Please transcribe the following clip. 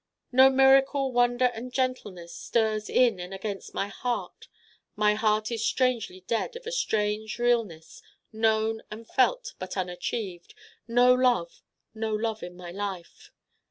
No miracle Wonder and Gentleness stirs in and against my Heart: my Heart is strangely dead of a strange Realness, known and felt but unachieved: no Love no Love in my life.